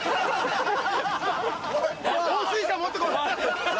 放水車持ってこい！